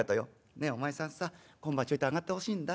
『ねえお前さんさ今晩ちょいと上がってほしいんだ。